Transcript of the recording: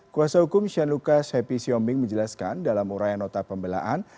kuasa hukum shane lucas happy xiombing menjelaskan dalam urayan nota pembelaan